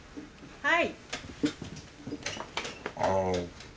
はい。